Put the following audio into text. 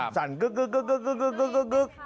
สั่นกึ๊กกึ๊กกึ๊กกึ๊ก